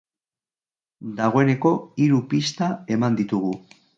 Dagoeneko hiru pista eman ditugu.